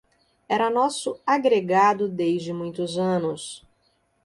Era nosso agregado desde muitos anos